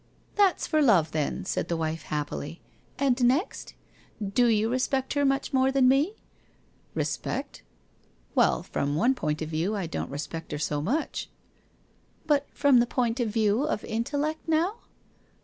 1 That's for love, then,' said the wife, happily. ' And next ? Do you respect her much more than me ?' 'Respect? Well, from one point of view I don't re spect her so much !'' But from the point of view of intellect, now